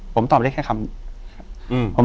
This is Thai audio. ผมตอบได้แค่คำ